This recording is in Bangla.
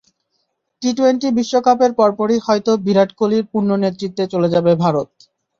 টি-টোয়েন্টি বিশ্বকাপের পরপরই হয়তো বিরাট কোহলির পূর্ণ নেতৃত্বে চলে যাবে ভারত।